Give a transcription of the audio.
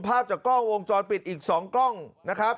ภาพจากกล้องวงจรปิดอีก๒กล้องนะครับ